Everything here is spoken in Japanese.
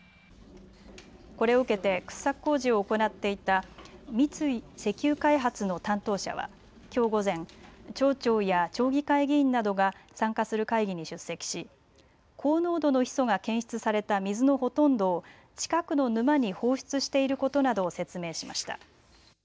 これを受けて掘削工事を行っていた三井石油開発の担当者はきょう午前、町長や町議会議員などが参加する会議に出席し高濃度のヒ素が検出された水のほとんどを近くの沼に放出していることなどを説明しました。